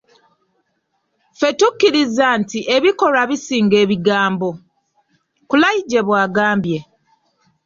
"Ffe tukkiriza nti ebikolwa bisinga ebigambo.” Kulayigye bw'agambye.